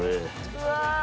うわ。